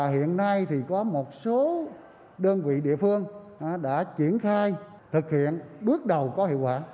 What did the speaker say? hiện nay thì có một số đơn vị địa phương đã triển khai thực hiện bước đầu có hiệu quả